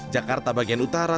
jakarta bagian utara